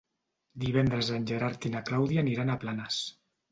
Divendres en Gerard i na Clàudia aniran a Planes.